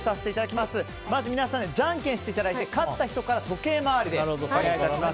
まず、皆さんでじゃんけんしていただき勝った人から時計回りでお願いします。